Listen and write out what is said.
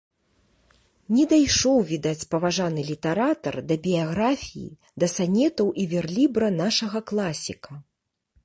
Не дайшоў, відаць, паважаны літаратар да біяграфіі, да санетаў і верлібра нашага класіка.